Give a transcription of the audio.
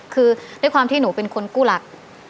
คือด้วยความที่หนูเป็นคนกู้หลัก